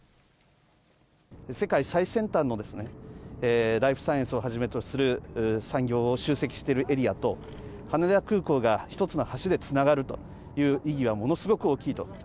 世界最先端のライフサイエンスをはじめとする産業を集積しているエリアと、羽田空港が１つの橋でつながるという意義は、ものすごく大きいと。